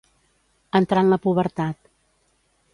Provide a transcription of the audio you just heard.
Entrar en la pubertat.